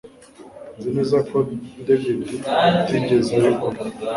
Nzi neza ko David atigeze abikora